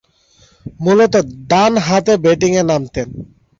মূলতঃ ডানহাতে ব্যাটিংয়ে নামতেন।